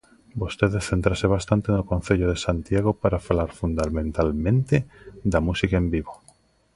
Vostede céntrase bastante no Concello de Santiago para falar fundamentalmente da música en vivo.